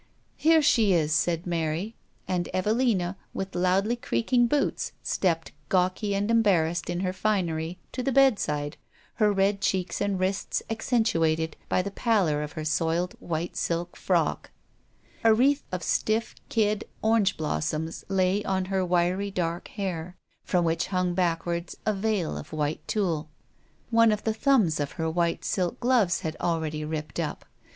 "Here she is," said Mary; and Evelina, with loudly creaking boots, stepped, gawky and embarrassed in her finery, to the bed side, her red cheeks and wrists accentuated by the pallor of her soiled white silk frock. 256 THE STORY OF A MODERN WOMAN. A wreath of stiff kid orange blossoms lay on her wiry, dark hair, from which hung back ward a veil of white tulle. One of the thumbs of her white silk gloves had already ripped up.